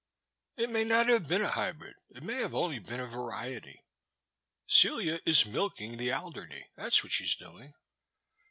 It may not have been a hybrid ; it may only have been a variety. Celia is milking the Aldemey, that 's what she 's doing.